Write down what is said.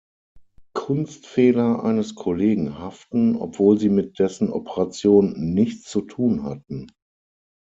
Kunstfehler eines Kollegen haften, obwohl sie mit dessen Operation nichts zu tun hatten.